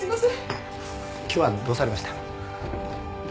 あの今日はどうされました？